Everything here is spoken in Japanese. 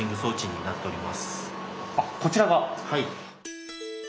はい。